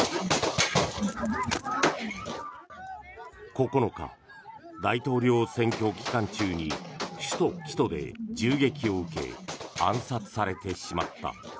９日、大統領選挙期間中に首都キトで銃撃を受け暗殺されてしまった。